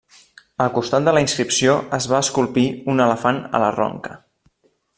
Al costat de la inscripció es va esculpir un elefant a la ronca.